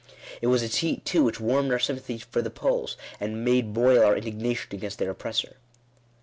It was its heat, too, which warmed our sympathy for the Poles, and made boil our indignation against their oppressor.